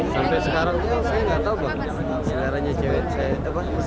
sebenarnya cewek saya gimana